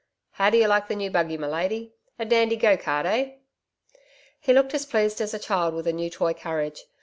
How do you like the new buggy, my lady? A dandy go cart, eh?' He looked as pleased as a child with a new toy carriage.